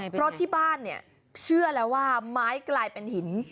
เพราะที่บ้านเนี่ยเชื่อแล้วว่าไม้กลายเป็นหิน